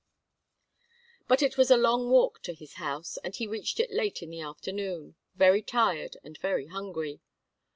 But it was a long walk to his house, and he reached it late in the afternoon, very tired and very hungry.